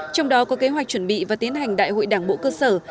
trong đó có kế hoạch chuẩn bị và tiến hành đại hội đảng bộ cơ sở